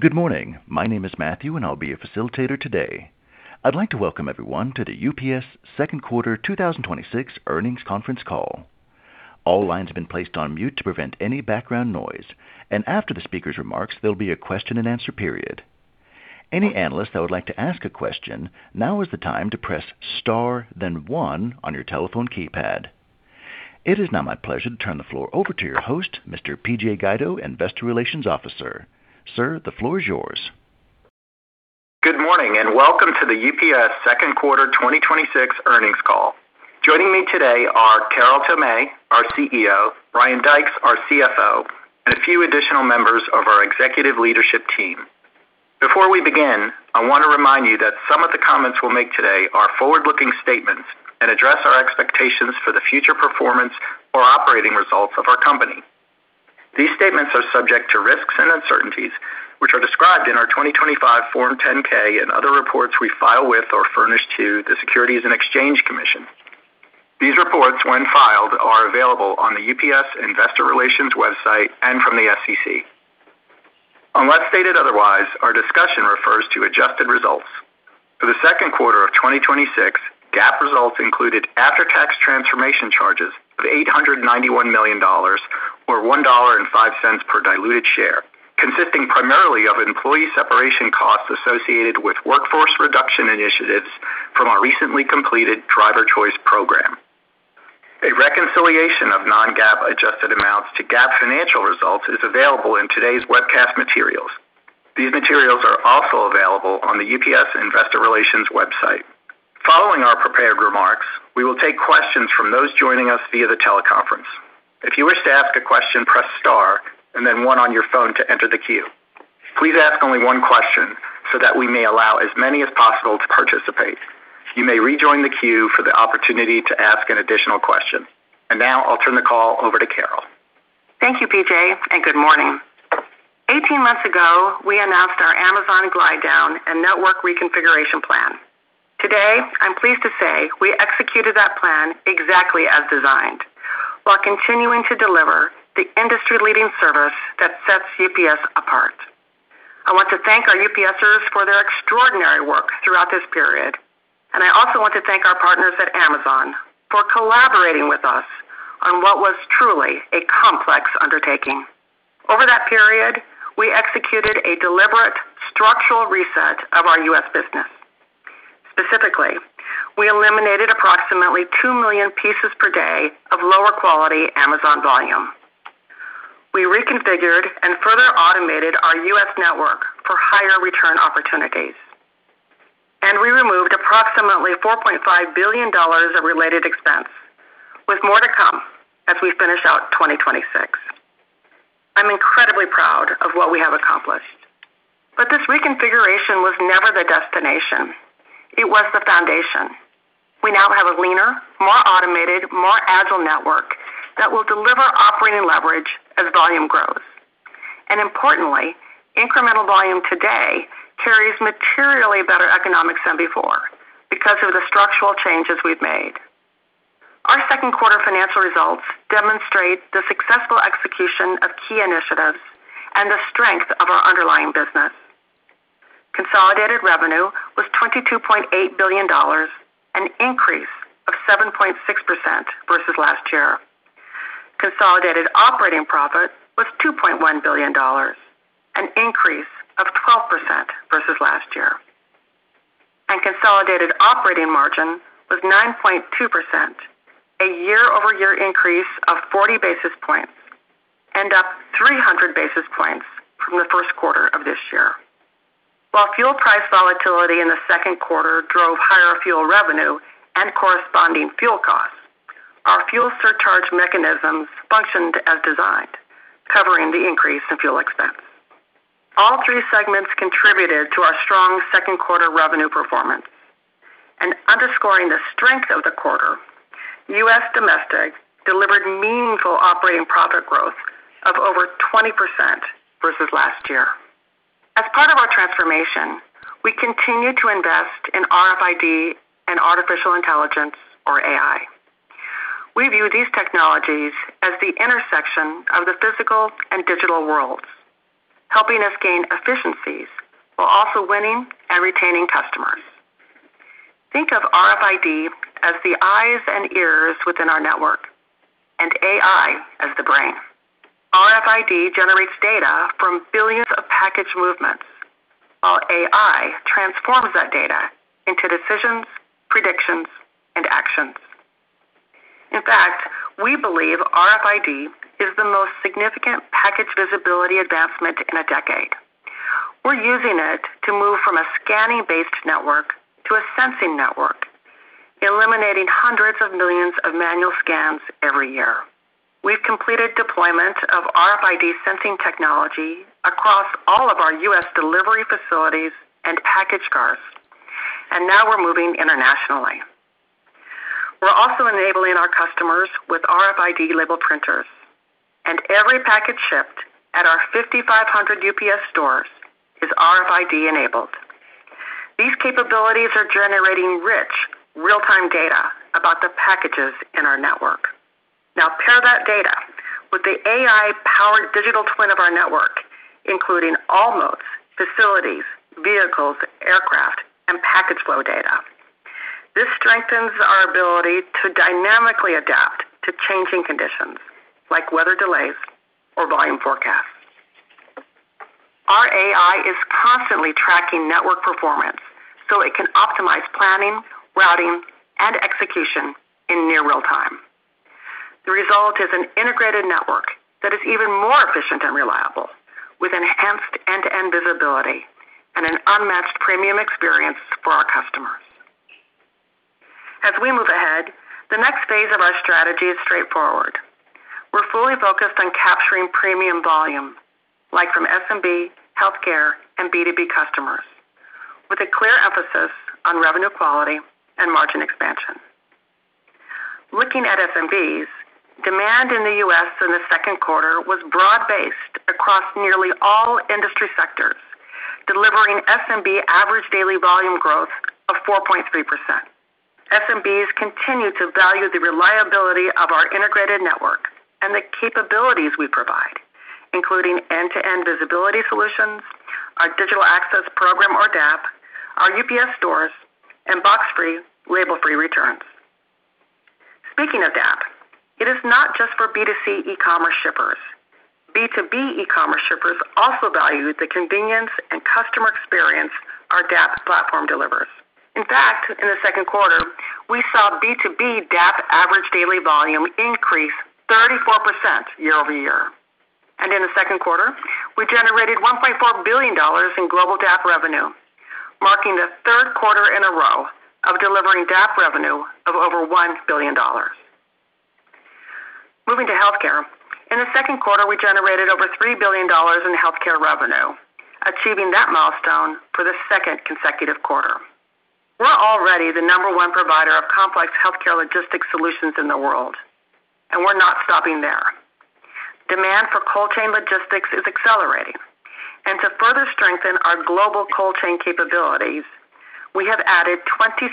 Good morning. My name is Matthew, and I'll be your facilitator today. I'd like to welcome everyone to the UPS second quarter 2026 earnings conference call. All lines have been placed on mute to prevent any background noise, and after the speaker's remarks, there'll be a question-and-answer period. Any analyst that would like to ask a question, now is the time to press star then one on your telephone keypad. It is now my pleasure to turn the floor over to your host, Mr. Patrick Guido, Investor Relations Officer. Sir, the floor is yours. Good morning and welcome to the UPS second quarter 2026 earnings call. Joining me today are Carol Tomé, our Chief Executive Officer, Brian Dykes, our Chief Financial Officer, and a few additional members of our executive leadership team. Before we begin, I want to remind you that some of the comments we'll make today are forward-looking statements and address our expectations for the future performance or operating results of our company. These statements are subject to risks and uncertainties, which are described in our 2025 Form 10-K and other reports we file with or furnish to the Securities and Exchange Commission. These reports, when filed, are available on the UPS investor relations website and from the SEC. Unless stated otherwise, our discussion refers to adjusted results. For the second quarter of 2026, GAAP results included after-tax transformation charges of $891 million, or $1.05 per diluted share, consisting primarily of employee separation costs associated with workforce reduction initiatives from our recently completed Driver Choice Program. A reconciliation of Non-GAAP adjusted amounts to GAAP financial results is available in today's webcast materials. These materials are also available on the UPS investor relations website. Following our prepared remarks, we will take questions from those joining us via the teleconference. If you wish to ask a question, press star and then one on your phone to enter the queue. Please ask only one question so that we may allow as many as possible to participate. You may rejoin the queue for the opportunity to ask an additional question. Now I'll turn the call over to Carol. Thank you, Patrick, and good morning. 18 months ago, we announced our Amazon glide down and network reconfiguration plan. Today, I'm pleased to say we executed that plan exactly as designed while continuing to deliver the industry-leading service that sets UPS apart. I want to thank our UPSers for their extraordinary work throughout this period, and I also want to thank our partners at Amazon for collaborating with us on what was truly a complex undertaking. Over that period, we executed a deliberate structural reset of our U.S. business. Specifically, we eliminated approximately two million pieces per day of lower-quality Amazon volume. We reconfigured and further automated our U.S. network for higher return opportunities. We removed approximately $4.5 billion of related expense, with more to come as we finish out 2026. I'm incredibly proud of what we have accomplished. This reconfiguration was never the destination. It was the foundation. We now have a leaner, more automated, more agile network that will deliver operating leverage as volume grows. Importantly, incremental volume today carries materially better economics than before because of the structural changes we've made. Our second quarter financial results demonstrate the successful execution of key initiatives and the strength of our underlying business. Consolidated revenue was $22.8 billion, an increase of 7.6% versus last year. Consolidated operating profit was $2.1 billion, an increase of 12% versus last year. Consolidated operating margin was 9.2%, a year-over-year increase of 40 basis points, and up 300 basis points from the first quarter of this year. While fuel price volatility in the second quarter drove higher fuel revenue and corresponding fuel costs, our fuel surcharge mechanisms functioned as designed, covering the increase in fuel expense. All three segments contributed to our strong second quarter revenue performance. Underscoring the strength of the quarter, U.S. Domestic delivered meaningful operating profit growth of over 20% versus last year. As part of our transformation, we continue to invest in RFID and artificial intelligence, or AI. We view these technologies as the intersection of the physical and digital worlds, helping us gain efficiencies while also winning and retaining customers. Think of RFID as the eyes and ears within our network, and AI as the brain. RFID generates data from billions of package movements, while AI transforms that data into decisions, predictions, and actions. In fact, we believe RFID is the most significant package visibility advancement in a decade. We're using it to move from a scanning-based network to a sensing network, eliminating hundreds of millions of manual scans every year. We've completed deployment of RFID sensing technology across all of our U.S. delivery facilities and package cars, and now we're moving internationally. We're also enabling our customers with RFID label printers, and every package shipped at our 5,500 UPS stores is RFID-enabled. These capabilities are generating rich real-time data about the packages in our network. Now pair that data with the AI-powered digital twin of our network, including all modes, facilities, vehicles, aircraft, and package flow data. This strengthens our ability to dynamically adapt to changing conditions like weather delays or volume forecasts. Our AI is constantly tracking network performance so it can optimize planning, routing, and execution in near real time. The result is an integrated network that is even more efficient and reliable with enhanced end-to-end visibility and an unmatched premium experience for our customers. As we move ahead, the next phase of our strategy is straightforward. We're fully focused on capturing premium volume, like from SMB, healthcare, and B2B customers, with a clear emphasis on revenue quality and margin expansion. Looking at SMBs, demand in the U.S. in the second quarter was broad-based across nearly all industry sectors, delivering SMB average daily volume growth of 4.3%. SMBs continue to value the reliability of our integrated network and the capabilities we provide, including end-to-end visibility solutions, our Digital Access Program or DAP, our UPS stores, and box-free, label-free returns. Speaking of DAP, it is not just for B2C e-commerce shippers. B2B e-commerce shippers also value the convenience and customer experience our DAP platform delivers. In fact, in the second quarter, we saw B2B DAP average daily volume increase 34% year-over-year. In the second quarter, we generated $1.4 billion in global DAP revenue, marking the third quarter in a row of delivering DAP revenue of over $1 billion. Moving to healthcare. In the second quarter, we generated over $3 billion in healthcare revenue, achieving that milestone for the second consecutive quarter. We're already the number one provider of complex healthcare logistics solutions in the world, and we're not stopping there. Demand for cold chain logistics is accelerating, and to further strengthen our global cold chain capabilities, we have added 27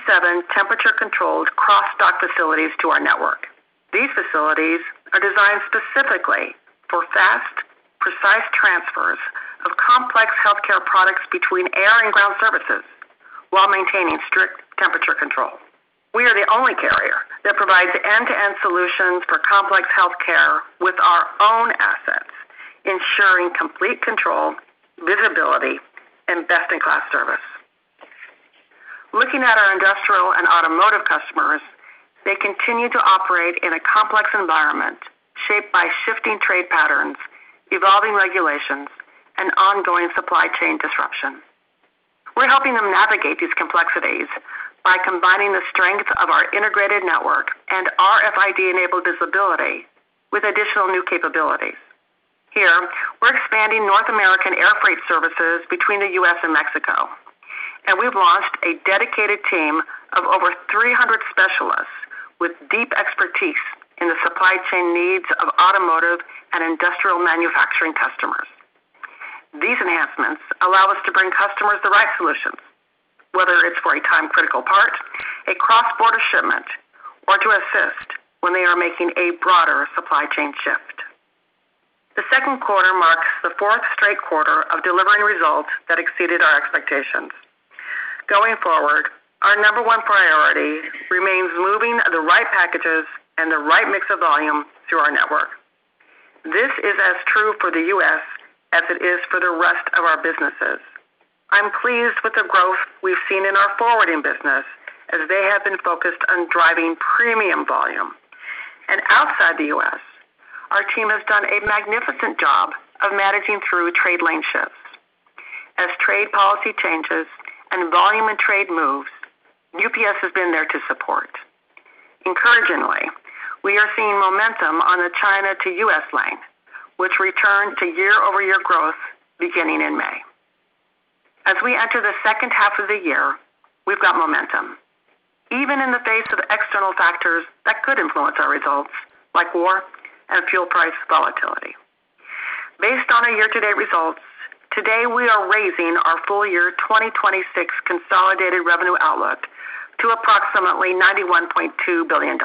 temperature-controlled cross-dock facilities to our network. These facilities are designed specifically for fast, precise transfers of complex healthcare products between air and ground services while maintaining strict temperature control. We are the only carrier that provides end-to-end solutions for complex healthcare with our own assets, ensuring complete control, visibility, and best-in-class service. Looking at our industrial and automotive customers, they continue to operate in a complex environment shaped by shifting trade patterns, evolving regulations, and ongoing supply chain disruption. We're helping them navigate these complexities by combining the strengths of our integrated network and RFID-enabled visibility with additional new capabilities. Here, we're expanding North American air freight services between the U.S. and Mexico, and we've launched a dedicated team of over 300 specialists with deep expertise in the supply chain needs of automotive and industrial manufacturing customers. These enhancements allow us to bring customers the right solutions, whether it's for a time-critical part, a cross-border shipment, or to assist when they are making a broader supply chain shift. The second quarter marks the fourth straight quarter of delivering results that exceeded our expectations. Going forward, our number one priority remains moving the right packages and the right mix of volume through our network. This is as true for the U.S. as it is for the rest of our businesses. I'm pleased with the growth we've seen in our forwarding business, as they have been focused on driving premium volume. Outside the U.S., our team has done a magnificent job of managing through trade lane shifts. As trade policy changes and volume and trade moves, UPS has been there to support. Encouragingly, we are seeing momentum on the China to U.S. lane, which returned to year-over-year growth beginning in May. As we enter the second half of the year, we've got momentum, even in the face of external factors that could influence our results, like war and fuel price volatility. Based on our year-to-date results, today, we are raising our full year 2026 consolidated revenue outlook to approximately $91.2 billion.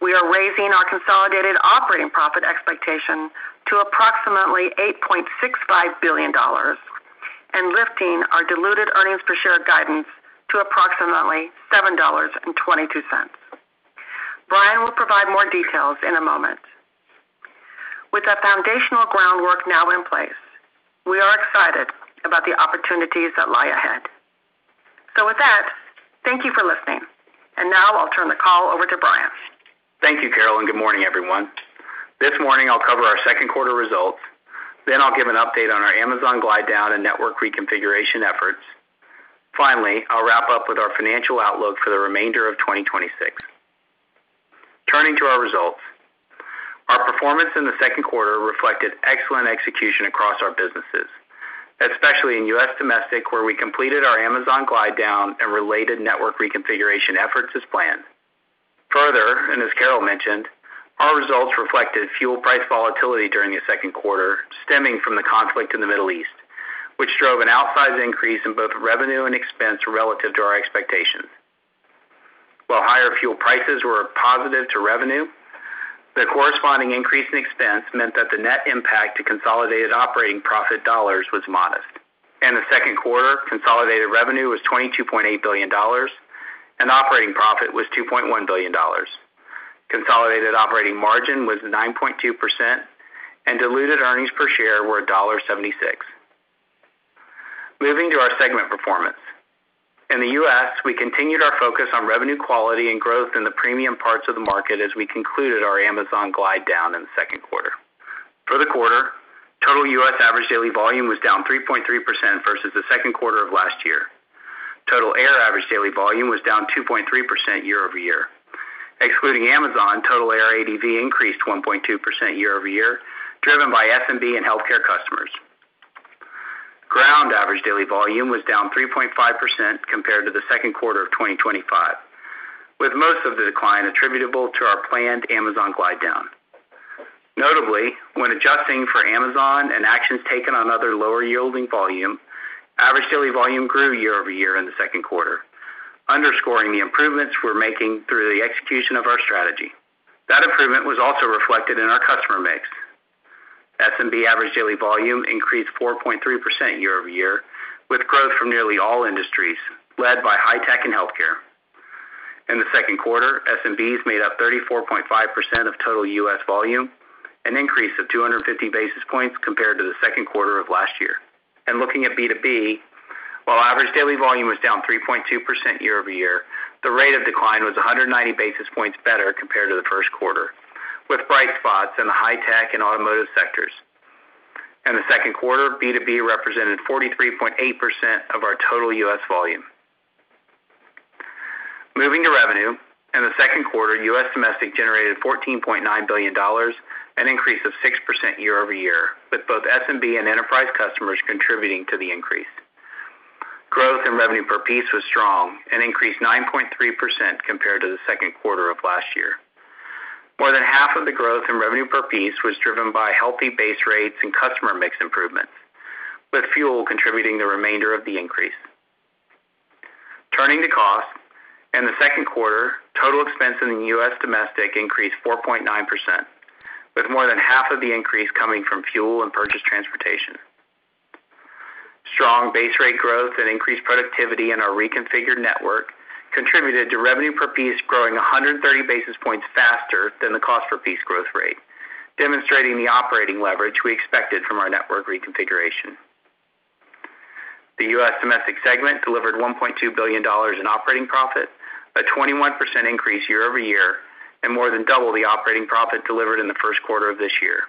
We are raising our consolidated operating profit expectation to approximately $8.65 billion and lifting our diluted earnings per share guidance to approximately $7.22. Brian will provide more details in a moment. With the foundational groundwork now in place, we are excited about the opportunities that lie ahead. With that, thank you for listening. Now I'll turn the call over to Brian. Thank you, Carol, and good morning, everyone. This morning, I'll cover our second quarter results. Then I'll give an update on our Amazon glide down and network reconfiguration efforts. Finally, I'll wrap up with our financial outlook for the remainder of 2026. Turning to our results. Our performance in the second quarter reflected excellent execution across our businesses, especially in U.S. domestic, where we completed our Amazon glide down and related network reconfiguration efforts as planned. Further, as Carol mentioned, our results reflected fuel price volatility during the second quarter stemming from the conflict in the Middle East, which drove an outsized increase in both revenue and expense relative to our expectations. While higher fuel prices were a positive to revenue, the corresponding increase in expense meant that the net impact to consolidated operating profit dollars was modest. In the second quarter, consolidated revenue was $22.8 billion and operating profit was $2.1 billion. Consolidated operating margin was 9.2% and diluted earnings per share were $1.76. Moving to our segment performance. In the U.S., we continued our focus on revenue quality and growth in the premium parts of the market as we concluded our Amazon glide down in the second quarter. For the quarter, total U.S. average daily volume was down 3.3% versus the second quarter of last year. Total air average daily volume was down 2.3% year-over-year. Excluding Amazon, total air ADV increased 1.2% year-over-year, driven by SMB and healthcare customers. Ground average daily volume was down 3.5% compared to the second quarter of 2025, with most of the decline attributable to our planned Amazon glide down. Notably, when adjusting for Amazon and actions taken on other lower-yielding volume, average daily volume grew year-over-year in the second quarter, underscoring the improvements we're making through the execution of our strategy. That improvement was also reflected in our customer mix. SMB average daily volume increased 4.3% year-over-year, with growth from nearly all industries, led by high tech and healthcare. In the second quarter, SMBs made up 34.5% of total U.S. volume, an increase of 250 basis points compared to the second quarter of last year. Looking at B2B, while average daily volume was down 3.2% year-over-year, the rate of decline was 190 basis points better compared to the first quarter, with bright spots in the high tech and automotive sectors. In the second quarter, B2B represented 43.8% of our total U.S. volume. Moving to revenue. In the second quarter, U.S. domestic generated $14.9 billion, an increase of 6% year-over-year, with both SMB and enterprise customers contributing to the increase. Growth in revenue per piece was strong and increased 9.3% compared to the second quarter of last year. More than half of the growth in revenue per piece was driven by healthy base rates and customer mix improvements, with fuel contributing the remainder of the increase. Turning to cost. In the second quarter, total expense in the U.S. domestic increased 4.9%, with more than half of the increase coming from fuel and purchase transportation. Strong base rate growth and increased productivity in our reconfigured network contributed to revenue per piece growing 130 basis points faster than the cost-per-piece growth rate, demonstrating the operating leverage we expected from our network reconfiguration. The U.S. domestic segment delivered $1.2 billion in operating profit, a 21% increase year-over-year, and more than double the operating profit delivered in the first quarter of this year.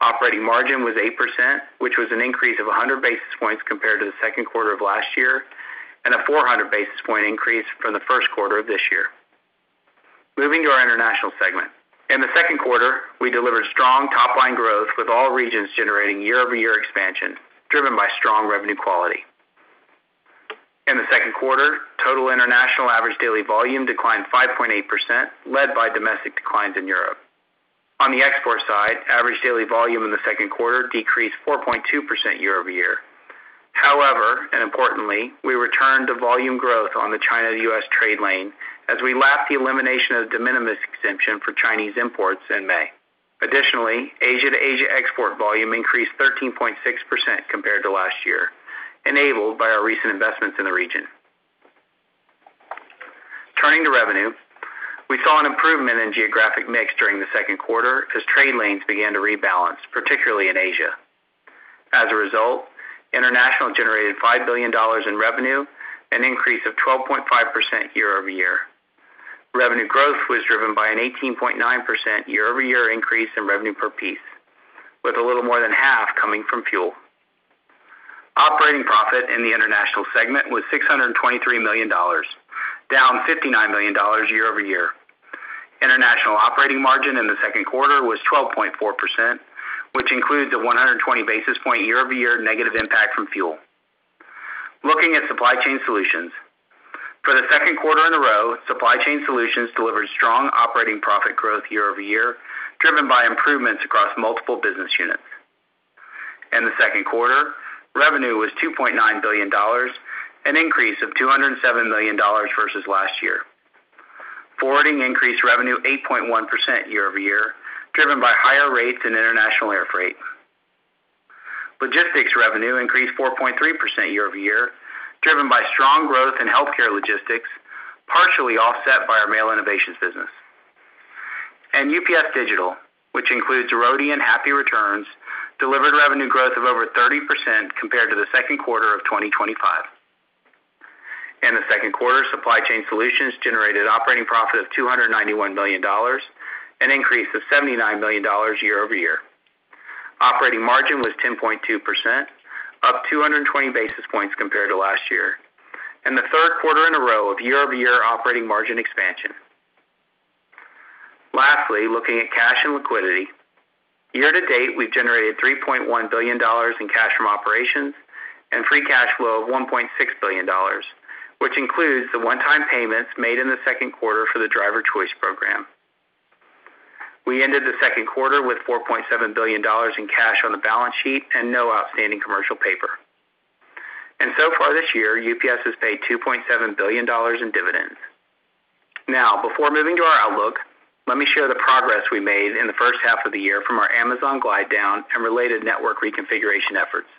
Operating margin was 8%, which was an increase of 100 basis points compared to the second quarter of last year, and a 400 basis point increase from the first quarter of this year. Moving to our international segment. In the second quarter, we delivered strong top-line growth with all regions generating year-over-year expansion, driven by strong revenue quality. In the second quarter, total international average daily volume declined 5.8%, led by domestic declines in Europe. On the export side, average daily volume in the second quarter decreased 4.2% year-over-year. However, and importantly, we returned to volume growth on the China-U.S. trade lane as we lapped the elimination of de minimis exemption for Chinese imports in May. Additionally, Asia to Asia export volume increased 13.6% compared to last year, enabled by our recent investments in the region. Turning to revenue. We saw an improvement in geographic mix during the second quarter as trade lanes began to rebalance, particularly in Asia. As a result, international generated $5 billion in revenue, an increase of 12.5% year-over-year. Revenue growth was driven by an 18.9% year-over-year increase in revenue per piece, with a little more than half coming from fuel. Operating profit in the international segment was $623 million, down $59 million year-over-year. International operating margin in the second quarter was 12.4%, which includes a 120 basis point year-over-year negative impact from fuel. Looking at Supply Chain Solutions. For the second quarter in a row, Supply Chain Solutions delivered strong operating profit growth year-over-year, driven by improvements across multiple business units. In the second quarter, revenue was $2.9 billion, an increase of $207 million versus last year. Forwarding increased revenue 8.1% year-over-year, driven by higher rates in international air freight. Logistics revenue increased 4.3% year-over-year, driven by strong growth in healthcare logistics, partially offset by our Mail Innovations business. UPS Digital, which includes Roadie and Happy Returns, delivered revenue growth of over 30% compared to the second quarter of 2025. In the second quarter, Supply Chain Solutions generated operating profit of $291 million, an increase of $79 million year-over-year. Operating margin was 10.2%, up 220 basis points compared to last year, and the third quarter in a row of year-over-year operating margin expansion. Lastly, looking at cash and liquidity. Year to date, we've generated $3.1 billion in cash from operations and free cash flow of $1.6 billion, which includes the one-time payments made in the second quarter for the Driver Choice Program. We ended the second quarter with $4.7 billion in cash on the balance sheet and no outstanding commercial paper. So far this year, UPS has paid $2.7 billion in dividends. Now, before moving to our outlook, let me share the progress we made in the first half of the year from our Amazon glide down and related network reconfiguration efforts.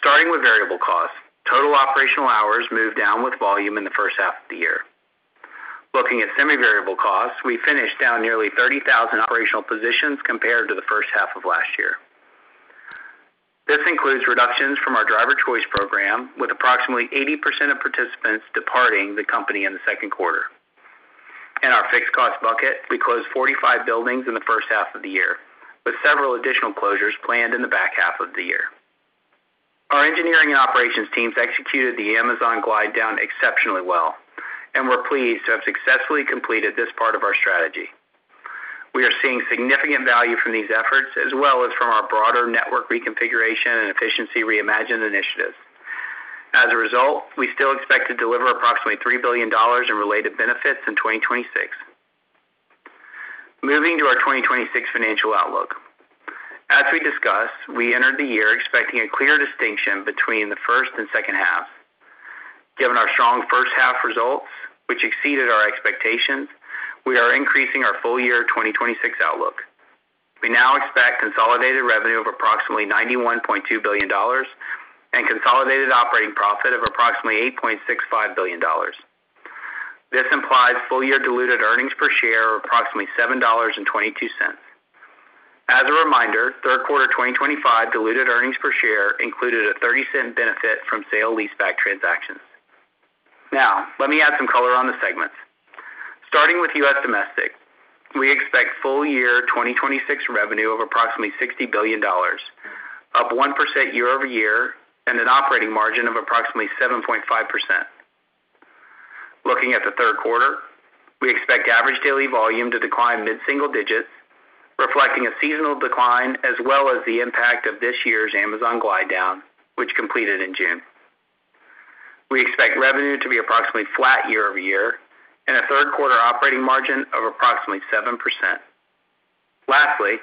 Starting with variable costs, total operational hours moved down with volume in the first half of the year. Looking at semi-variable costs, we finished down nearly 30,000 operational positions compared to the first half of last year. This includes reductions from our Driver Choice Program, with approximately 80% of participants departing the company in the second quarter. In our fixed cost bucket, we closed 45 buildings in the first half of the year, with several additional closures planned in the back half of the year. Our engineering and operations teams executed the Amazon glide down exceptionally well, and we are pleased to have successfully completed this part of our strategy. We are seeing significant value from these efforts, as well as from our broader network reconfiguration and Efficiency Reimagined initiatives. As a result, we still expect to deliver approximately $3 billion in related benefits in 2026. Moving to our 2026 financial outlook. As we discussed, we entered the year expecting a clear distinction between the first and second half. Given our strong first half results, which exceeded our expectations, we are increasing our full year 2026 outlook. We now expect consolidated revenue of approximately $91.2 billion and consolidated operating profit of approximately $8.65 billion. This implies full year diluted earnings per share of approximately $7.22. As a reminder, third quarter 2025 diluted earnings per share included a $0.30 benefit from sale leaseback transactions. Let me add some color on the segments. Starting with U.S. Domestic, we expect full year 2026 revenue of approximately $60 billion, up 1% year-over-year, and an operating margin of approximately 7.5%. Looking at the third quarter, we expect average daily volume to decline mid-single digits, reflecting a seasonal decline as well as the impact of this year's Amazon glide down, which completed in June. We expect revenue to be approximately flat year-over-year and a third quarter operating margin of approximately 7%. Lastly,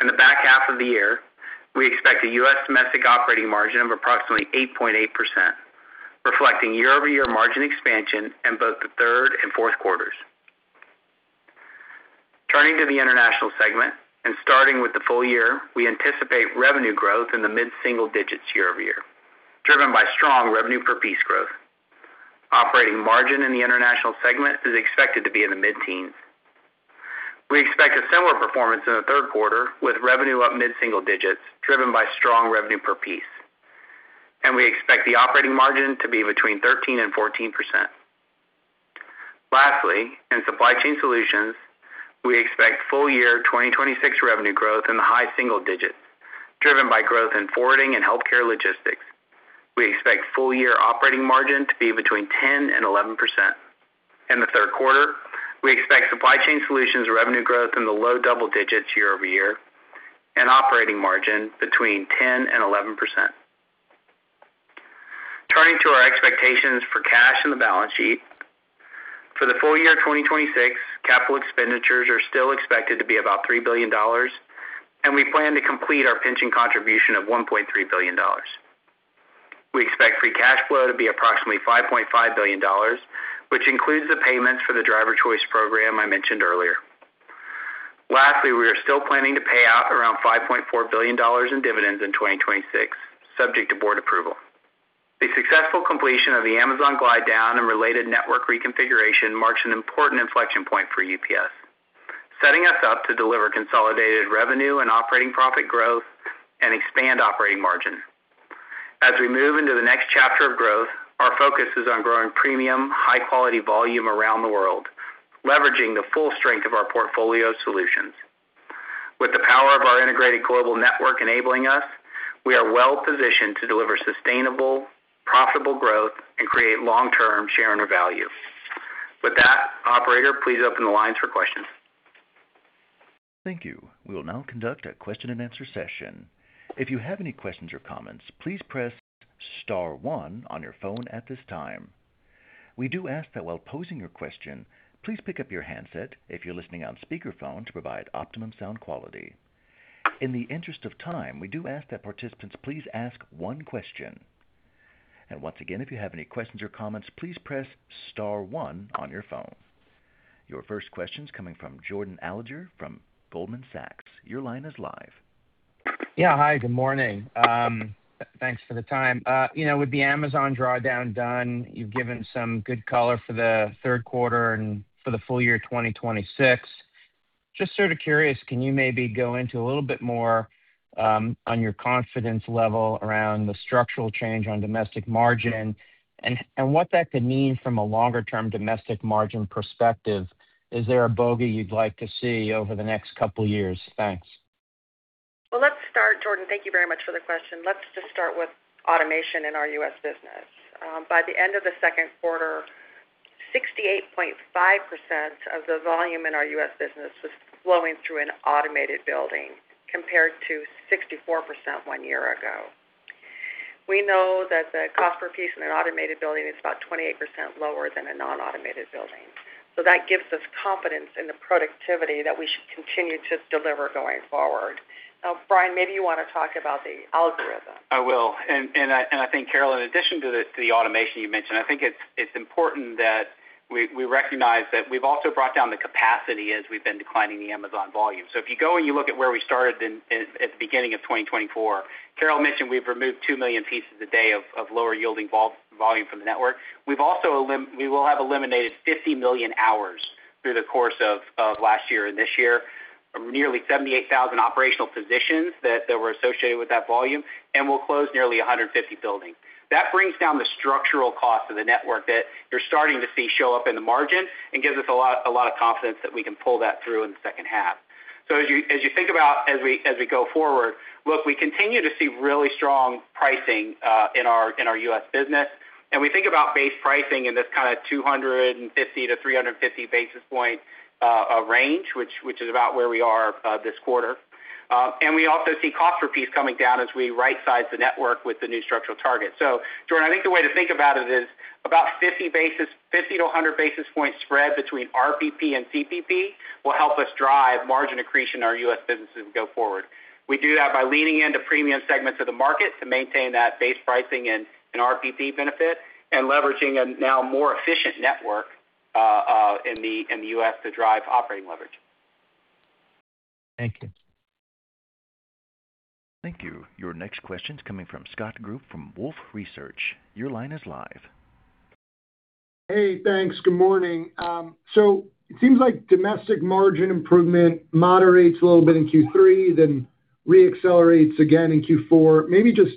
in the back half of the year, we expect a U.S. Domestic operating margin of approximately 8.8%, reflecting year-over-year margin expansion in both the third and fourth quarters. Turning to the international segment and starting with the full year, we anticipate revenue growth in the mid-single digits year-over-year, driven by strong revenue per piece growth. Operating margin in the international segment is expected to be in the mid-teens. We expect a similar performance in the third quarter, with revenue up mid-single digits driven by strong revenue per piece. We expect the operating margin to be between 13%-14%. Lastly, in Supply Chain Solutions, we expect full year 2026 revenue growth in the high single digits, driven by growth in forwarding and healthcare logistics. We expect full year operating margin to be between 10%-11%. In the third quarter, we expect Supply Chain Solutions revenue growth in the low double digits year-over-year and operating margin between 10%-11%. Turning to our expectations for cash in the balance sheet. For the full year 2026, capital expenditures are still expected to be about $3 billion, and we plan to complete our pension contribution of $1.3 billion. We expect free cash flow to be approximately $5.5 billion, which includes the payments for the Driver Choice Program I mentioned earlier. Lastly, we are still planning to pay out around $5.4 billion in dividends in 2026, subject to board approval. The successful completion of the Amazon glide down and related network reconfiguration marks an important inflection point for UPS, setting us up to deliver consolidated revenue and operating profit growth and expand operating margin. As we move into the next chapter of growth, our focus is on growing premium, high-quality volume around the world, leveraging the full strength of our portfolio solutions. With the power of our integrated global network enabling us, we are well-positioned to deliver sustainable, profitable growth and create long-term shareowner value. With that, operator, please open the lines for questions. Thank you. We will now conduct a question-and-answer session. If you have any questions or comments, please press star one on your phone at this time. We do ask that while posing your question, please pick up your handset if you're listening on speakerphone to provide optimum sound quality. In the interest of time, we do ask that participants please ask one question. Once again, if you have any questions or comments, please press star one on your phone. Your first question's coming from Jordan Alliger from Goldman Sachs. Your line is live. Yeah. Hi, good morning. Thanks for the time. With the Amazon drawdown done, you've given some good color for the third quarter and for the full year 2026. Just sort of curious, can you maybe go into a little bit more on your confidence level around the structural change on domestic margin and what that could mean from a longer-term domestic margin perspective? Is there a bogey you'd like to see over the next couple of years? Thanks. Well, let's start. Jordan, thank you very much for the question. Let's just start with automation in our U.S. business. By the end of the second quarter, 68.5% of the volume in our U.S. business was flowing through an automated building compared to 64% one year ago. We know that the cost per piece in an automated building is about 28% lower than a non-automated building. That gives us confidence in the productivity that we should continue to deliver going forward. Now, Brian, maybe you want to talk about the algorithm. I will. I think, Carol, in addition to the automation you mentioned, I think it's important that we recognize that we've also brought down the capacity as we've been declining the Amazon volume. If you go and you look at where we started at the beginning of 2024, Carol mentioned we've removed two million pieces a day of lower yielding volume from the network. We will have eliminated 50 million hours through the course of last year and this year, nearly 78,000 operational positions that were associated with that volume, and we'll close nearly 150 buildings. That brings down the structural cost of the network that you're starting to see show up in the margin and gives us a lot of confidence that we can pull that through in the second half. As you think about as we go forward, look, we continue to see really strong pricing in our U.S. business. We think about base pricing in this kind of 250 basis points-350 basis point range, which is about where we are this quarter. We also see cost per piece coming down as we right-size the network with the new structural target. Jordan, I think the way to think about it is about 50 basis points-100 basis point spread between RPP and CPP will help us drive margin accretion in our U.S. businesses go forward. We do that by leaning into premium segments of the market to maintain that base pricing and RPP benefit, and leveraging a now more efficient network in the U.S. to drive operating leverage. Thank you. Thank you. Your next question's coming from Scott Group from Wolfe Research. Your line is live. Hey, thanks. Good morning. It seems like domestic margin improvement moderates a little bit in Q3, then re-accelerates again in Q4. Maybe just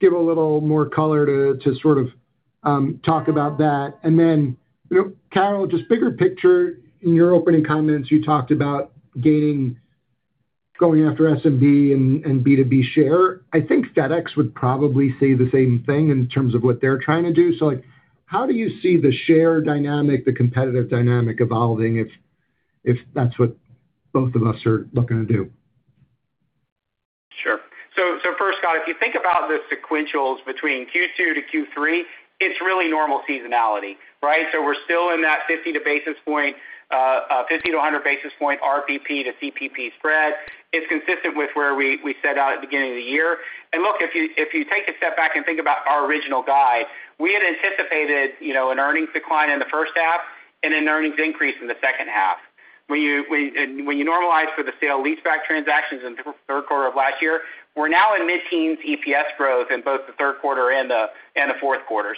give a little more color to sort of talk about that. Carol, just bigger picture, in your opening comments, you talked about going after SMB and B2B share. I think FedEx would probably say the same thing in terms of what they're trying to do. How do you see the share dynamic, the competitive dynamic evolving if that's what both of us are looking to do? Sure. First, Scott, if you think about the sequentials between Q2-Q3, it's really normal seasonality, right? We're still in that 50 basis points-100 basis point RPP-to-CPP spread. It's consistent with where we set out at the beginning of the year. Look, if you take a step back and think about our original guide, we had anticipated an earnings decline in the first half and an earnings increase in the second half. When you normalize for the sale leaseback transactions in third quarter of last year, we're now in mid-teens EPS growth in both the third quarter and the fourth quarter.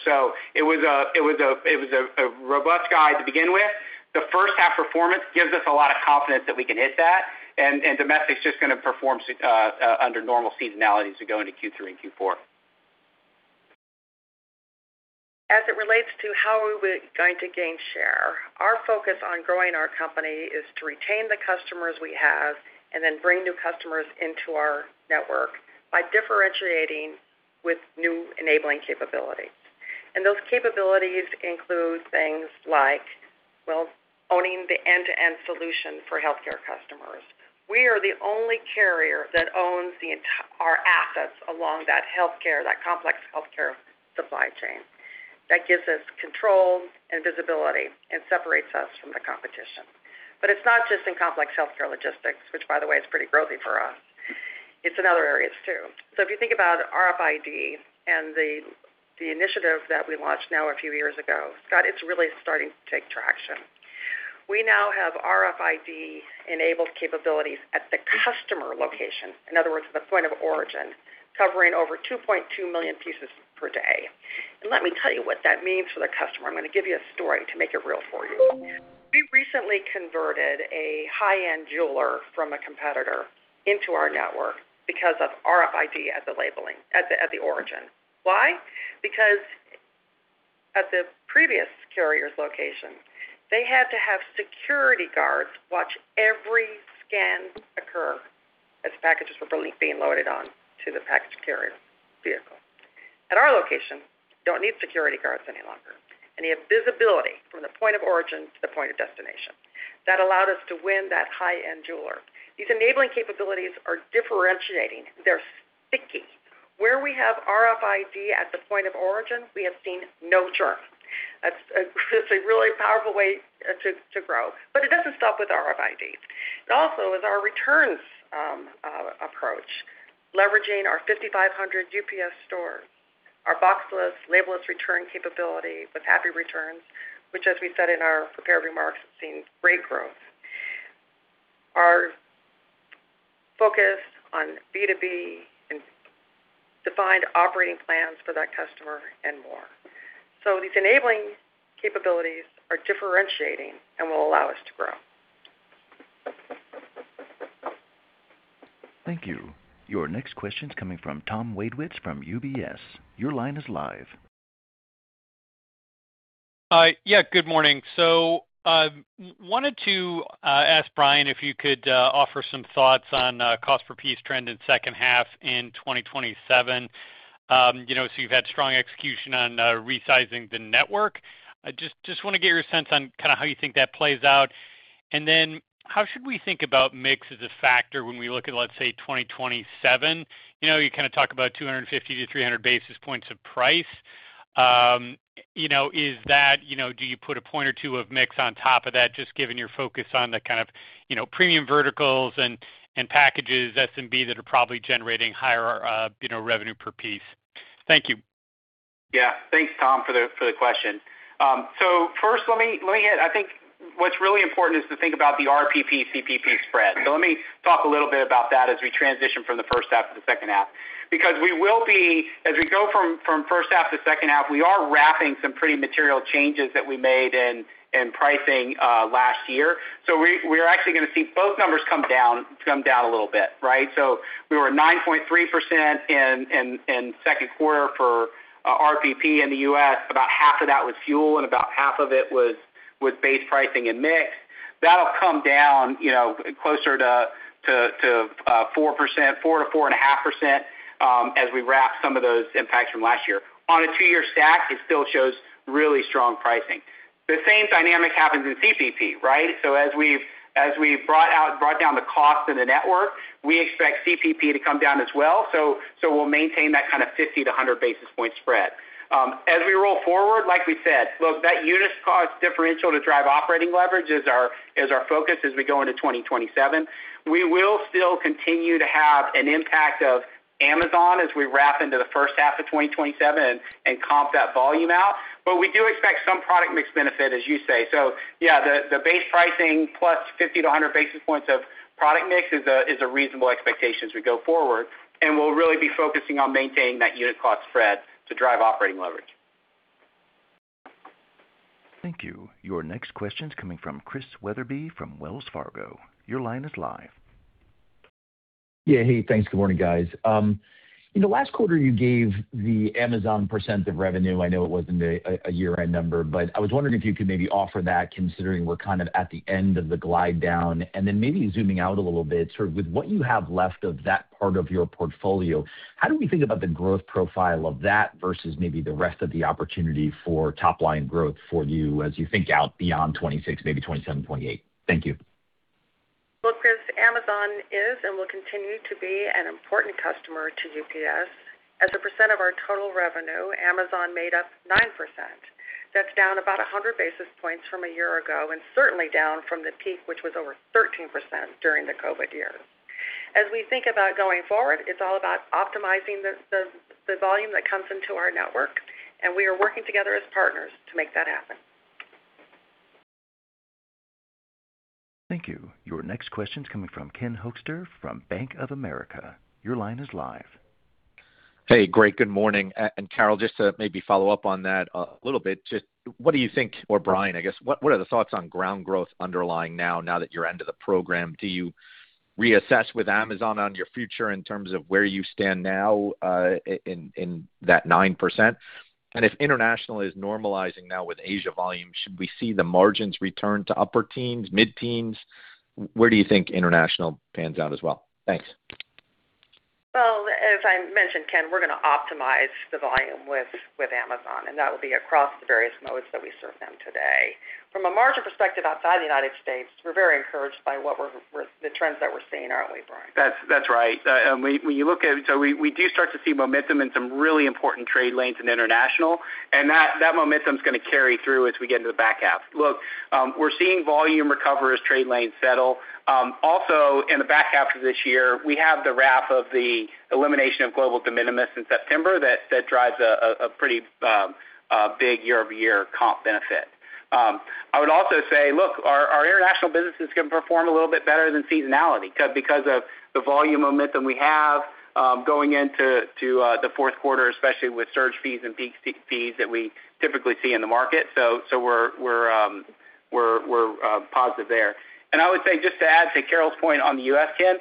It was a robust guide to begin with. The first half performance gives us a lot of confidence that we can hit that, domestic is just going to perform under normal seasonality as we go into Q3 and Q4. As it relates to how we were going to gain share, our focus on growing our company is to retain the customers we have and then bring new customers into our network by differentiating with new enabling capabilities. Those capabilities include things like, well, owning the end-to-end solution for healthcare customers. We are the only carrier that owns our assets along that complex healthcare supply chain. That gives us control and visibility and separates us from the competition. It's not just in complex healthcare logistics, which by the way, is pretty growthy for us. It's in other areas, too. If you think about RFID and the initiative that we launched now a few years ago, Scott, it's really starting to take traction. We now have RFID-enabled capabilities at the customer location. In other words, the point of origin, covering over 2.2 million pieces per day. Let me tell you what that means for the customer. I'm going to give you a story to make it real for you. We recently converted a high-end jeweler from a competitor into our network because of RFID at the origin. Why? Because at the previous carrier's location, they had to have security guards watch every scan occur as packages were being loaded on to the package carrier vehicle. At our location, don't need security guards any longer, they have visibility from the point of origin to the point of destination. That allowed us to win that high-end jeweler. These enabling capabilities are differentiating. They're sticky. Where we have RFID at the point of origin, we have seen no churn. That's a really powerful way to grow. It doesn't stop with RFIDs. It also is our returns approach, leveraging our 5,500 UPS Stores, our boxless, labeless return capability with Happy Returns, which as we said in our prepared remarks, has seen great growth. Our focus on B2B and defined operating plans for that customer and more. These enabling capabilities are differentiating and will allow us to grow. Thank you. Your next question's coming from Tom Wadewitz from UBS. Your line is live. Good morning. Wanted to ask Brian if you could offer some thoughts on cost per piece trend in second half in 2027. You've had strong execution on resizing the network. I just want to get your sense on how you think that plays out, and then how should we think about mix as a factor when we look at, let's say, 2027? You talk about 250-300 basis points of price. Do you put a one or two of mix on top of that, just given your focus on the kind of premium verticals and packages, SMB that are probably generating higher revenue per piece? Thank you. Thanks, Tom, for the question. First, I think what's really important is to think about the RPP-to-CPP spread. Let me talk a little bit about that as we transition from the first half to the second half. As we go from first half to second half, we are wrapping some pretty material changes that we made in pricing last year. We are actually going to see both numbers come down a little bit, right? We were at 9.3% in second quarter for RPP in the U.S. About half of that was fuel and about half of it was with base pricing and mix. That'll come down closer to 4%-4.5% as we wrap some of those impacts from last year. On a two-year stack, it still shows really strong pricing. The same dynamic happens in CPP, right? As we've brought down the cost in the network, we expect CPP to come down as well. We'll maintain that kind of 50 basis points-100 basis point spread. As we roll forward, like we said, look, that unit cost differential to drive operating leverage is our focus as we go into 2027. We will still continue to have an impact of Amazon as we wrap into the first half of 2027 and comp that volume out. We do expect some product mix benefit, as you say. Yeah, the base pricing plus 50 basis points-100 basis points of product mix is a reasonable expectation as we go forward, and we'll really be focusing on maintaining that unit cost spread to drive operating leverage. Thank you. Your next question's coming from Chris Wetherbee from Wells Fargo. Your line is live. Yeah. Hey, thanks. Good morning, guys. In the last quarter, you gave the Amazon percent of revenue. I know it wasn't a year-end number, but I was wondering if you could maybe offer that, considering we're kind of at the end of the glide down, and then maybe zooming out a little bit, sort of with what you have left of that part of your portfolio, how do we think about the growth profile of that versus maybe the rest of the opportunity for top-line growth for you as you think out beyond 2026, maybe 2027, 2028? Thank you. Look, Chris, Amazon is and will continue to be an important customer to UPS. As a percent of our total revenue, Amazon made up 9%. That's down about 100 basis points from a year ago, and certainly down from the peak, which was over 13% during the COVID year. As we think about going forward, it's all about optimizing the volume that comes into our network, and we are working together as partners to make that happen. Thank you. Your next question's coming from Ken Hoexter from Bank of America. Your line is live. Hey, great. Good morning. Carol, just to maybe follow up on that a little bit, what do you think, or Brian, I guess, what are the thoughts on ground growth underlying now that you're end of the program? Do you reassess with Amazon on your future in terms of where you stand now in that 9%? If international is normalizing now with Asia volume, should we see the margins return to upper teens, mid-teens? Where do you think international pans out as well? Thanks. Well, as I mentioned, Ken, we're going to optimize the volume with Amazon, and that will be across the various modes that we serve them today. From a margin perspective outside the United States, we're very encouraged by the trends that we're seeing, aren't we, Brian? That's right. We do start to see momentum in some really important trade lanes in international, and that momentum's going to carry through as we get into the back half. Look, we're seeing volume recover as trade lanes settle. In the back half of this year, we have the wrap of the elimination of global de minimis in September that drives a pretty big year-over-year comp benefit. I would also say, look, our international business is going to perform a little bit better than seasonality because of the volume momentum we have going into the fourth quarter, especially with surge fees and peak fees that we typically see in the market. We're positive there. I would say, just to add to Carol's point on the U.S., Ken,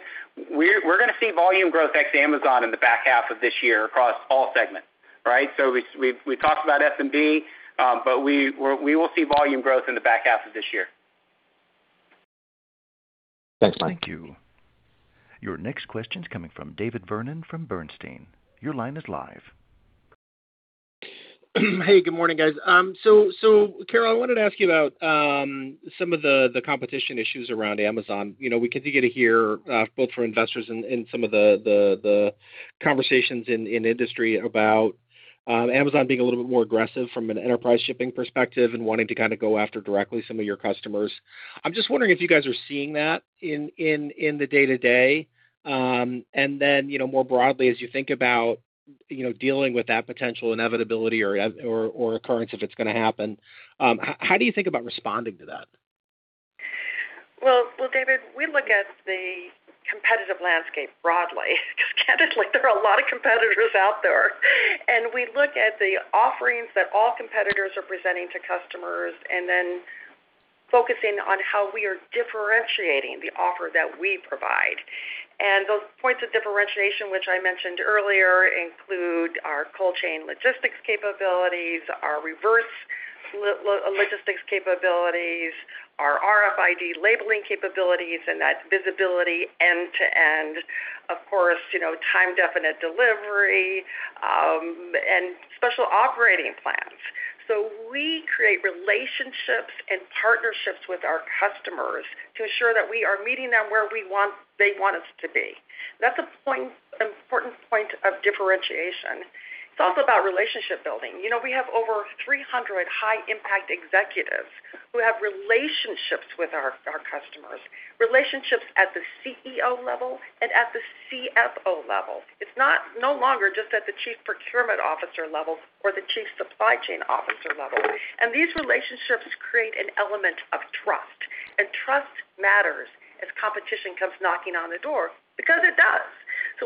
we're going to see volume growth ex Amazon in the back half of this year across all segments, right? We talked about SMB, but we will see volume growth in the back half of this year. Thanks, Brian. Thank you. Your next question's coming from David Vernon from Bernstein. Your line is live. Hey, good morning guys. Carol, I wanted to ask you about some of the competition issues around Amazon. We continue to hear both from investors and some of the conversations in industry about Amazon being a little bit more aggressive from an enterprise shipping perspective and wanting to go after directly some of your customers. I'm just wondering if you guys are seeing that in the day-to-day. More broadly as you think about dealing with that potential inevitability or occurrence, if it's going to happen, how do you think about responding to that? Well, David Vernon, we look at the competitive landscape broadly because candidly, there are a lot of competitors out there. We look at the offerings that all competitors are presenting to customers, then focusing on how we are differentiating the offer that we provide. Those points of differentiation, which I mentioned earlier, include our cold chain logistics capabilities, our reverse logistics capabilities, our RFID labeling capabilities, and that visibility end to end. Of course, time definite delivery, and special operating plans. We create relationships and partnerships with our customers to ensure that we are meeting them where they want us to be. That's an important point of differentiation. It's also about relationship building. We have over 300 high impact executives who have relationships with our customers, relationships at the Chief Executive Officer level and at the Chief Financial Officer level. It's no longer just at the Chief Procurement Officer level or the Chief Supply Chain Officer level. These relationships create an element of trust, and trust matters as competition comes knocking on the door, because it does.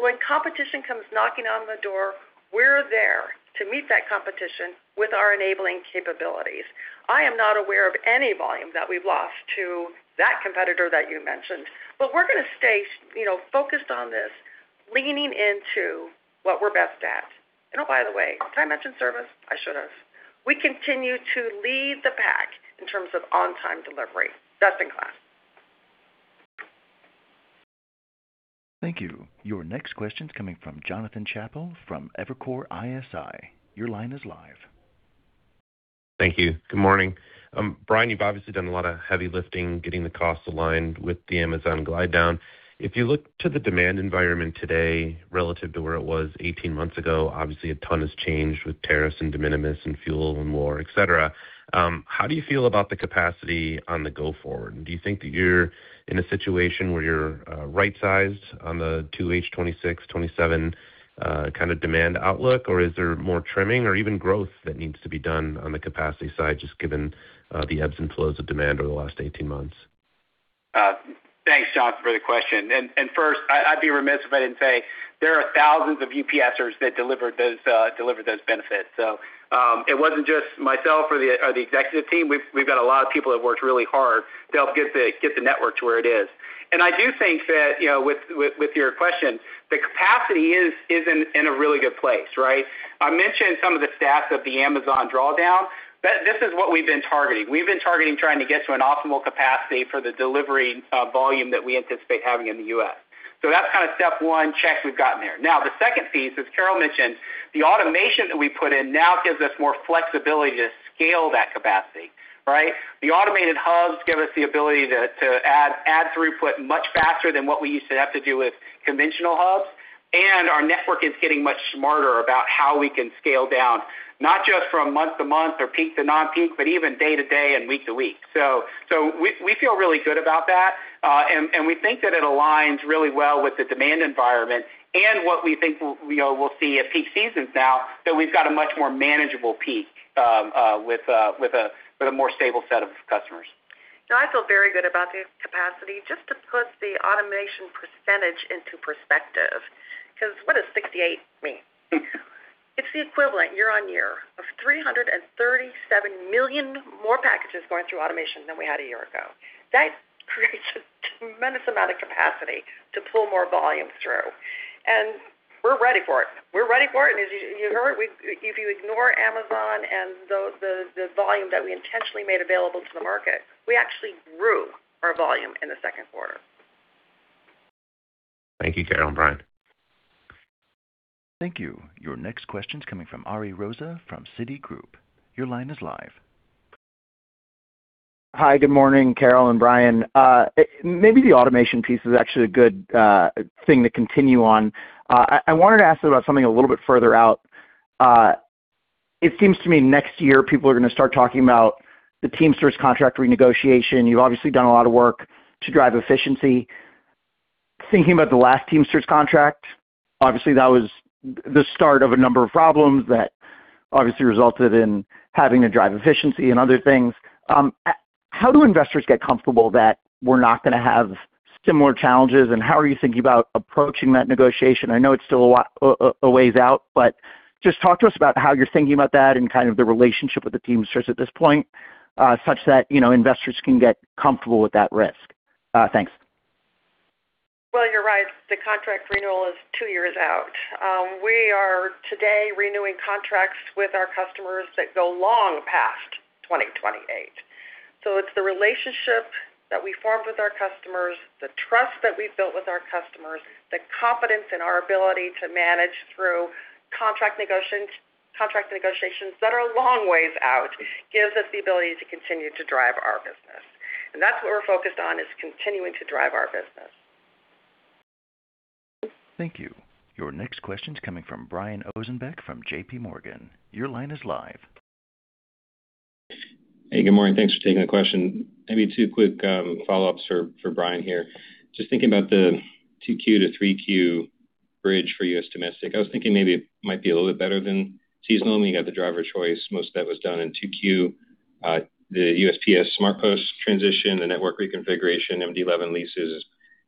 When competition comes knocking on the door, we're there to meet that competition with our enabling capabilities. I am not aware of any volume that we've lost to that competitor that you mentioned, we're going to stay focused on this, leaning into what we're best at. Oh, by the way, did I mention service? I should have. We continue to lead the pack in terms of on-time delivery. Best in class. Thank you. Your next question's coming from Jonathan Chappell from Evercore ISI. Your line is live. Thank you. Good morning. Brian, you've obviously done a lot of heavy lifting, getting the costs aligned with the Amazon glide down. If you look to the demand environment today relative to where it was 18 months ago, obviously a ton has changed with tariffs and de minimis and fuel and war, et cetera. How do you feel about the capacity on the go forward? Do you think that you're in a situation where you're right-sized on the 2H, 2026, 2027, demand outlook, or is there more trimming or even growth that needs to be done on the capacity side, just given the ebbs and flows of demand over the last 18 months? Thanks, Jonathan, for the question. First, I'd be remiss if I didn't say there are thousands of UPSers that delivered those benefits. It wasn't just myself or the executive team. We've got a lot of people that worked really hard to help get the network to where it is. I do think that with your question, the capacity is in a really good place, right? I mentioned some of the stats of the Amazon drawdown. This is what we've been targeting. We've been targeting trying to get to an optimal capacity for the delivery volume that we anticipate having in the U.S. That's kind of step one, check, we've gotten there. Now, the second piece, as Carol mentioned, the automation that we put in now gives us more flexibility to scale that capacity, right? The automated hubs give us the ability to add throughput much faster than what we used to have to do with conventional hubs. Our network is getting much smarter about how we can scale down, not just from month to month or peak to non-peak, but even day to day and week to week. We feel really good about that. We think that it aligns really well with the demand environment and what we think we'll see at peak seasons now that we've got a much more manageable peak, with a more stable set of customers. No, I feel very good about the capacity. Just to put the automation percentage into perspective, because what does 68% mean? It's the equivalent year-over-year of 337 million more packages going through automation than we had a year ago. That creates a tremendous amount of capacity to pull more volume through, and we're ready for it. We're ready for it. As you heard, if you ignore Amazon and the volume that we intentionally made available to the market, we actually grew our volume in the second quarter. Thank you, Carol and Brian. Thank you. Your next question's coming from Ari Rosa from Citi. Your line is live. Hi. Good morning, Carol and Brian. Maybe the automation piece is actually a good thing to continue on. I wanted to ask about something a little bit further out. It seems to me next year people are going to start talking about the Teamsters contract renegotiation. You've obviously done a lot of work to drive efficiency. Thinking about the last Teamsters contract, obviously that was the start of a number of problems that obviously resulted in having to drive efficiency and other things. How do investors get comfortable that we're not going to have similar challenges, and how are you thinking about approaching that negotiation? I know it's still a ways out, but just talk to us about how you're thinking about that and kind of the relationship with the Teamsters at this point, such that investors can get comfortable with that risk. Thanks. Well, you're right. The contract renewal is two years out. We are today renewing contracts with our customers that go long past 2028. It's the relationship that we formed with our customers, the trust that we've built with our customers, the confidence in our ability to manage through contract negotiations that are a long ways out, gives us the ability to continue to drive our business. That's what we're focused on, is continuing to drive our business. Thank you. Your next question's coming from Brian Ossenbeck from JPMorgan. Your line is live. Good morning. Thanks for taking the question. Two quick follow-ups for Brian here. Just thinking about the 2Q-3Q bridge for U.S. domestic. I was thinking maybe it might be a little bit better than seasonal. I mean, you got the Driver Choice. Most of that was done in 2Q. The USPS SurePost transition, the network reconfiguration, MD-11 leases.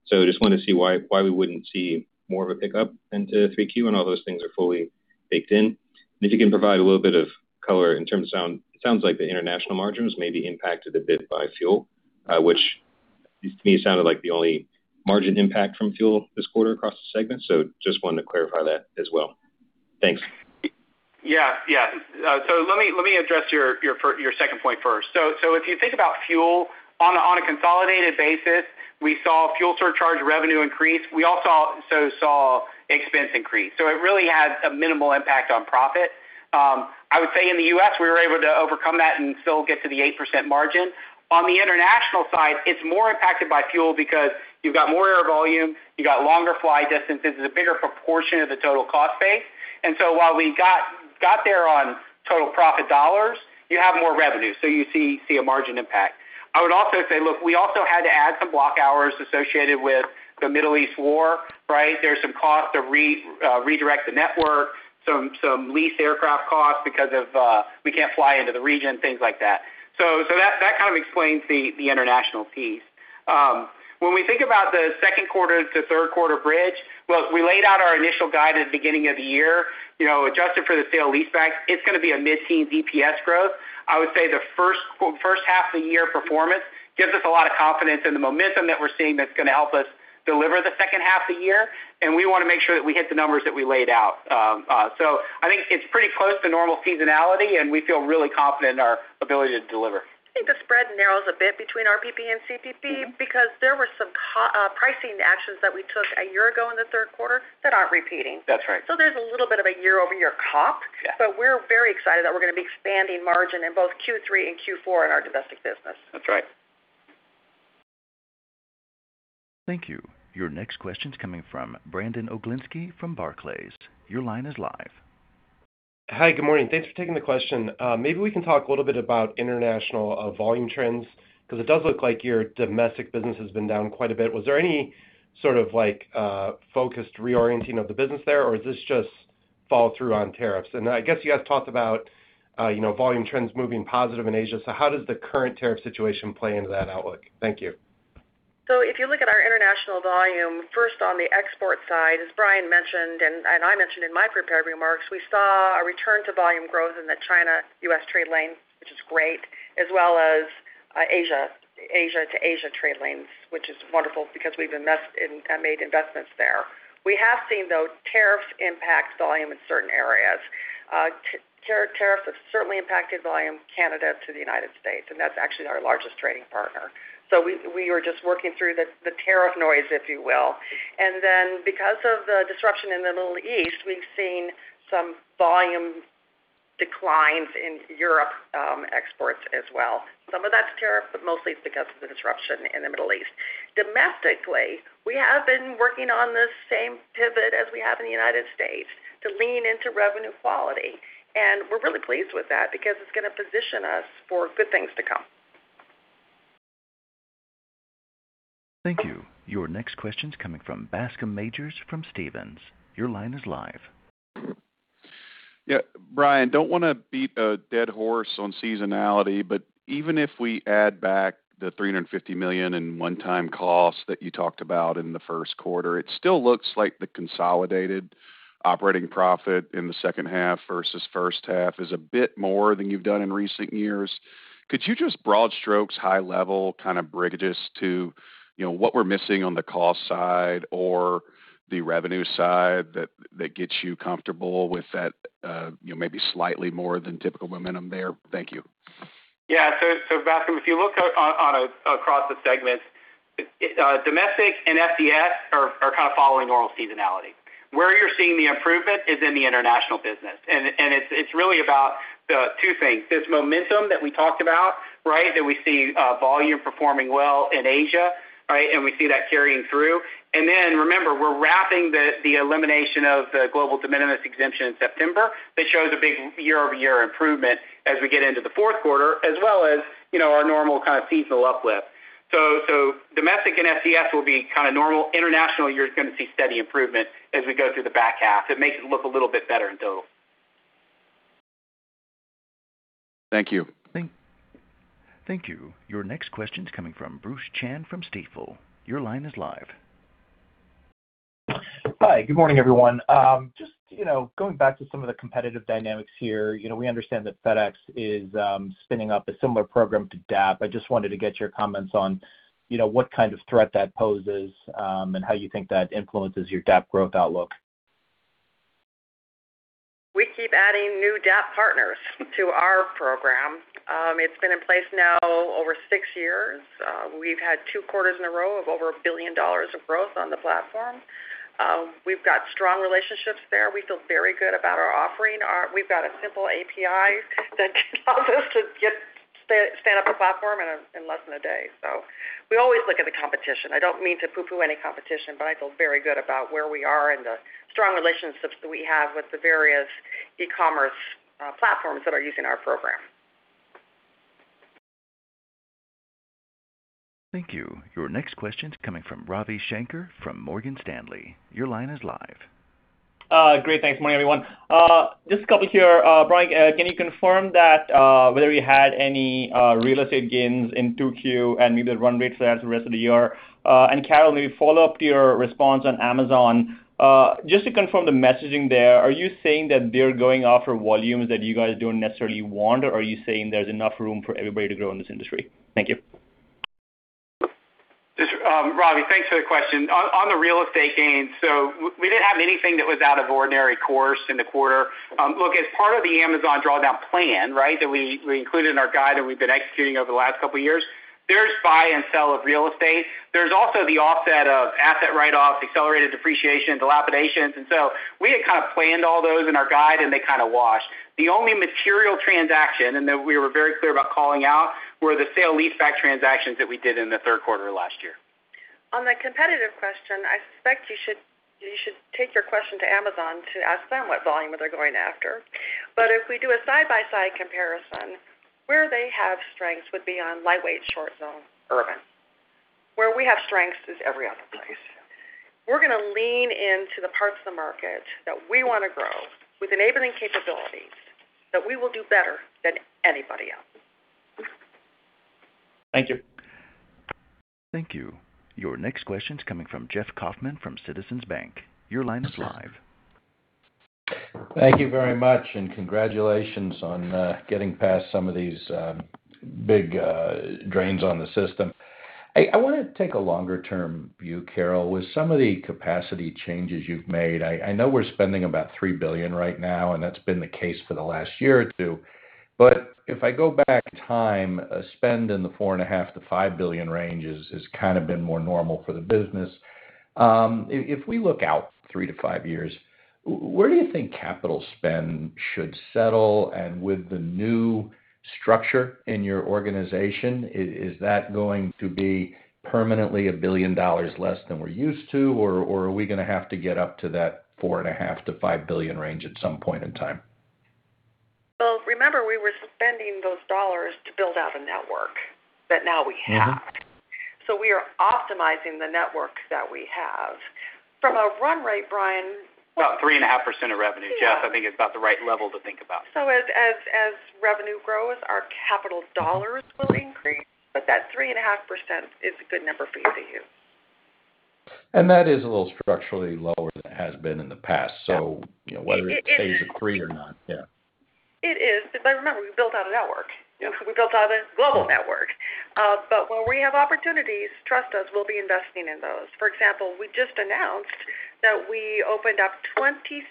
Just wanted to see why we wouldn't see more of a pickup into 3Q when all those things are fully baked in. If you can provide a little bit of color in terms of, it sounds like the international margins may be impacted a bit by fuel, which to me sounded like the only margin impact from fuel this quarter across the segment. Just wanted to clarify that as well. Thanks. Let me address your second point first. If you think about fuel on a consolidated basis, we saw fuel surcharge revenue increase. We also saw expense increase. It really had a minimal impact on profit. I would say in the U.S., we were able to overcome that and still get to the 8% margin. On the international side, it's more impacted by fuel because you've got more air volume, you've got longer fly distances, it's a bigger proportion of the total cost base. While we got there on total profit dollars, you have more revenue, so you see a margin impact. I would also say, we also had to add some block hours associated with the Middle East war, right? There's some cost to redirect the network, some lease aircraft costs because of we can't fly into the region, things like that. That kind of explains the international piece. When we think about the second quarter to third quarter bridge, we laid out our initial guide at the beginning of the year, adjusted for the sale-leaseback, it's going to be a mid-teens EPS growth. I would say the first half of the year performance gives us a lot of confidence in the momentum that we're seeing that's going to help us deliver the second half of the year. We want to make sure that we hit the numbers that we laid out. I think it's pretty close to normal seasonality, and we feel really confident in our ability to deliver. I think the spread narrows a bit between RPP and CPP because there were some pricing actions that we took a year ago in the third quarter that aren't repeating. That's right. There's a little bit of a year-over-year comp. Yeah. We're very excited that we're going to be expanding margin in both Q3 and Q4 in our domestic business. That's right. Thank you. Your next question's coming from Brandon Oglenski from Barclays. Your line is live. Hi, good morning. Thanks for taking the question. Maybe we can talk a little bit about international volume trends because it does look like your domestic business has been down quite a bit. Was there any sort of focused reorienting of the business there, or is this just follow through on tariffs? I guess you guys talked about volume trends moving positive in Asia. How does the current tariff situation play into that outlook? Thank you. If you look at our international volume, first on the export side, as Brian mentioned, and I mentioned in my prepared remarks, we saw a return to volume growth in the China-U.S. trade lane, which is great, as well as Asia-to-Asia trade lanes, which is wonderful because we've made investments there. We have seen, though, tariffs impact volume in certain areas. Tariffs have certainly impacted volume Canada to the United States, and that's actually our largest trading partner. We were just working through the tariff noise, if you will. Because of the disruption in the Middle East, we've seen some volume declines in Europe exports as well. Some of that's tariff, but mostly it's because of the disruption in the Middle East. Domestically, we have been working on the same pivot as we have in the United States to lean into revenue quality. We're really pleased with that because it's going to position us for good things to come. Thank you. Your next question's coming from Bascome Majors from Stephens. Your line is live. Yeah. Brian, don't want to beat a dead horse on seasonality, but even if we add back the $350 million in one-time costs that you talked about in the first quarter, it still looks like the consolidated operating profit in the second half versus first half is a bit more than you've done in recent years. Could you just broad strokes, high level, kind of break this to what we're missing on the cost side or the revenue side that gets you comfortable with that maybe slightly more than typical momentum there? Thank you. Yeah. Bascome, if you look across the segments, domestic and SCS are kind of following overall seasonality. Where you're seeing the improvement is in the international business. It's really about two things. This momentum that we talked about, that we see volume performing well in Asia, and we see that carrying through. Then remember, we're wrapping the elimination of the global de minimis exemption in September. That shows a big year-over-year improvement as we get into the fourth quarter, as well as our normal kind of seasonal uplift. Domestic and SCS will be kind of normal. International, you're going to see steady improvement as we go through the back half. It makes it look a little bit better until Thank you. Thank you. Your next question's coming from Bruce Chan from Stifel. Your line is live. Hi. Good morning, everyone. Just going back to some of the competitive dynamics here. We understand that FedEx is spinning up a similar program to DAP. I just wanted to get your comments on what kind of threat that poses, and how you think that influences your DAP growth outlook. We keep adding new DAP partners to our program. It's been in place now over six years. We've had two quarters in a row of over $1 billion of growth on the platform. We've got strong relationships there. We feel very good about our offering. We've got a simple API that can help us to stand up a platform in less than a day. We always look at the competition. I don't mean to poo-poo any competition, but I feel very good about where we are and the strong relationships that we have with the various e-commerce platforms that are using our program. Thank you. Your next question's coming from Ravi Shanker from Morgan Stanley. Your line is live. Great. Thanks. Morning, everyone. Just a couple here. Brian, can you confirm whether you had any real estate gains in 2Q and give the run rates for that for the rest of the year? Carol, let me follow up to your response on Amazon. Just to confirm the messaging there, are you saying that they're going after volumes that you guys don't necessarily want, or are you saying there's enough room for everybody to grow in this industry? Thank you. Ravi, thanks for the question. On the real estate gains, we didn't have anything that was out of ordinary course in the quarter. Look, as part of the Amazon drawdown plan, right, that we included in our guide that we've been executing over the last couple of years, there's buy and sell of real estate. There's also the offset of asset write-offs, accelerated depreciation, dilapidations. We had kind of planned all those in our guide, and they kind of washed. The only material transaction, and that we were very clear about calling out, were the sale leaseback transactions that we did in the third quarter last year. On the competitive question, I suspect you should take your question to Amazon to ask them what volume they're going after. If we do a side-by-side comparison, where they have strengths would be on lightweight, short zone, urban. Where we have strengths is every other place. We're going to lean into the parts of the market that we want to grow with enabling capabilities that we will do better than anybody else. Thank you. Thank you. Your next question's coming from Jeff Kauffman from Citizens Bank. Your line is live. Thank you very much. Congratulations on getting past some of these big drains on the system. I want to take a longer-term view, Carol. With some of the capacity changes you've made, I know we're spending about $3 billion right now, and that's been the case for the last year or two. If I go back in time, spend in the $4.5 billion-$5 billion range has kind of been more normal for the business. If we look out three to five years, where do you think capital spend should settle? With the new structure in your organization, is that going to be permanently $1 billion less than we're used to, or are we going to have to get up to that $4.5 billion-$5 billion range at some point in time? Remember, we were spending those dollars to build out a network that now we have. We are optimizing the network that we have. From a run rate, Brian. About 3.5% of revenue. Yeah Jeff, I think is about the right level to think about. As revenue grows, our capital dollars will increase, but that 3.5% is a good number for you to use. That is a little structurally lower than it has been in the past. Yeah. Whether it stays at three or not, yeah. It is. Remember, we built out a network. We built out a global network. Where we have opportunities, trust us, we'll be investing in those. For example, we just announced that we opened up 27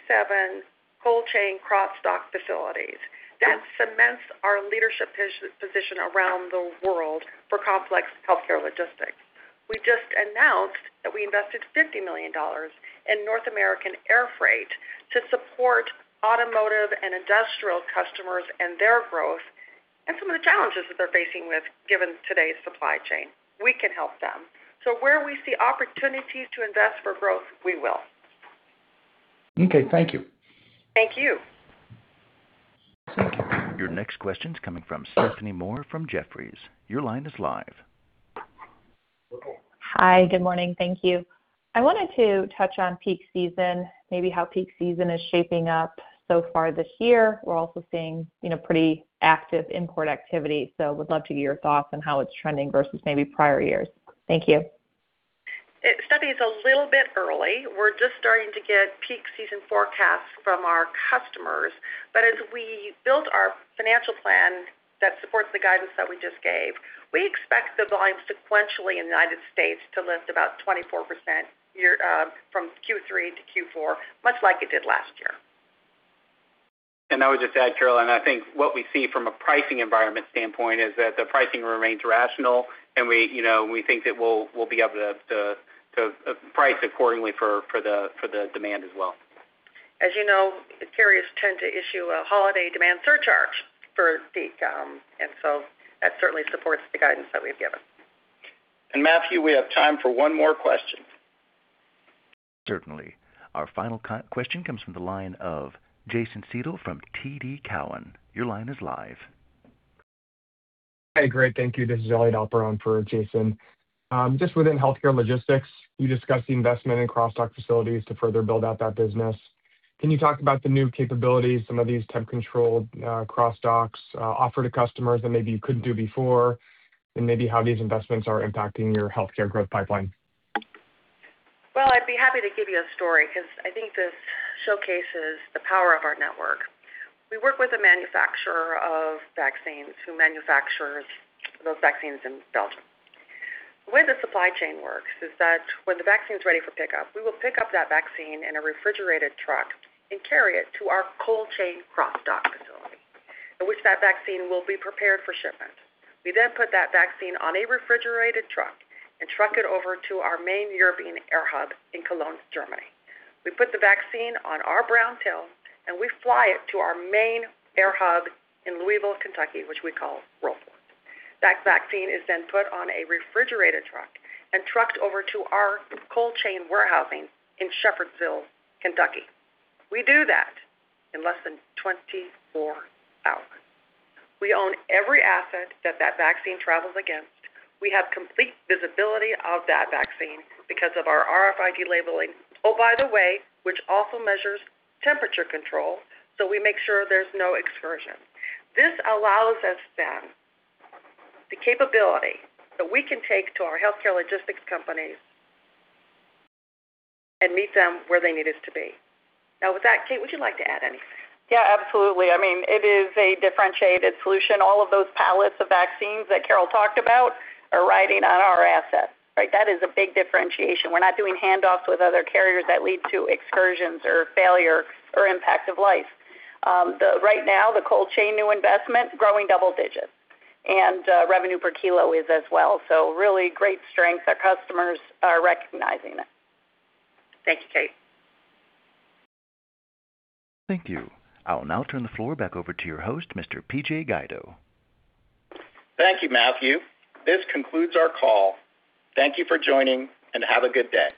cold chain cross-dock facilities. That cements our leadership position around the world for complex healthcare logistics. We just announced that we invested $50 million in North American air freight to support automotive and industrial customers and their growth, and some of the challenges that they're facing with given today's supply chain. We can help them. Where we see opportunities to invest for growth, we will. Okay. Thank you. Thank you. Your next question's coming from Stephanie Moore from Jefferies. Your line is live. Hi. Good morning. Thank you. I wanted to touch on peak season, maybe how peak season is shaping up so far this year. Would love to get your thoughts on how it's trending versus maybe prior years. Thank you. Stephanie, it's a little bit early. We're just starting to get peak season forecasts from our customers. As we build our financial plan that supports the guidance that we just gave, we expect the volume sequentially in the United States to lift about 24% from Q3-Q4, much like it did last year. I would just add, Carol, and I think what we see from a pricing environment standpoint is that the pricing remains rational, and we think that we'll be able to price accordingly for the demand as well. As you know, the carriers tend to issue a holiday demand surcharge for peak. That certainly supports the guidance that we've given. Matthew, we have time for one more question. Certainly. Our final question comes from the line of Jason Seidl from TD Cowen. Your line is live. Hey, great. Thank you. This is Elliot Alper on for Jason. Just within healthcare logistics, you discussed the investment in cross-dock facilities to further build out that business. Can you talk about the new capabilities some of these temp control cross-docks offer to customers that maybe you couldn't do before, and maybe how these investments are impacting your healthcare growth pipeline? Well, I'd be happy to give you a story because I think this showcases the power of our network. We work with a manufacturer of vaccines who manufactures those vaccines in Belgium. The way the supply chain works is that when the vaccine's ready for pickup, we will pick up that vaccine in a refrigerated truck and carry it to our cold chain cross-dock facility, in which that vaccine will be prepared for shipment. We put that vaccine on a refrigerated truck and truck it over to our main European air hub in Cologne, Germany. We put the vaccine on our brown tail, we fly it to our main air hub in Louisville, Kentucky, which we call Worldport. That vaccine is put on a refrigerated truck and trucked over to our cold chain warehousing in Shepherdsville, Kentucky. We do that in less than 24 hours. We own every asset that that vaccine travels against. We have complete visibility of that vaccine because of our RFID labeling, oh by the way, which also measures temperature control, so we make sure there's no excursion. This allows us then the capability that we can take to our healthcare logistics companies and meet them where they need us to be. With that, Kate, would you like to add anything? Absolutely. It is a differentiated solution. All of those pallets of vaccines that Carol talked about are riding on our assets, right? That is a big differentiation. We're not doing handoffs with other carriers that lead to excursions or failure or impact of life. Right now, the cold chain new investment, growing double digits. Revenue per kilo is as well. Really great strength. Our customers are recognizing it. Thank you, Kate. Thank you. I will now turn the floor back over to your host, Mr. PJ Guido. Thank you, Matthew. This concludes our call. Thank you for joining, and have a good day.